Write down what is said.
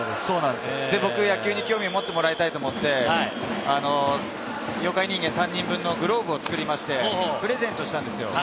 僕、野球に興味を持ってもらいたいと思って妖怪人間３人分のグローブを作りましてプレゼントしたんですよ。